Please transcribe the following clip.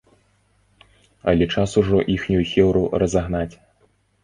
Але час ужо іхнюю хеўру разагнаць.